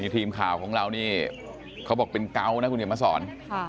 ทีมข่าวของเราเป็นกาวนะคุณเหยียดมศร